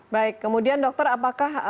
baik kemudian dokter apakah